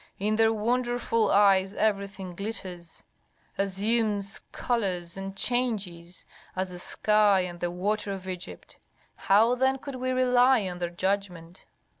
In their wonderful eyes everything glitters, assumes colors and changes, as the sky and the water of Egypt. How then could we rely on their judgment?